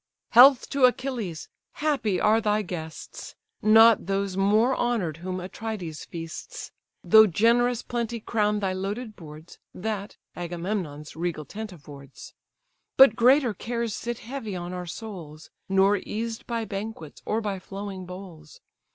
"Health to Achilles! happy are thy guests! Not those more honour'd whom Atrides feasts: Though generous plenty crown thy loaded boards, That, Agamemnon's regal tent affords; But greater cares sit heavy on our souls, Nor eased by banquets or by flowing bowls.